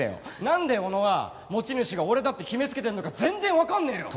なんで小野は持ち主が俺だって決めつけてんのか全然わかんねえよ！